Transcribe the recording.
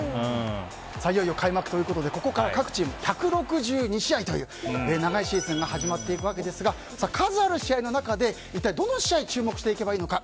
いよいよ開幕ということでここから各チーム１６２試合という長いシーズンが始まっていくわけですが数ある試合の中で一体どの試合に注目していけばいいのか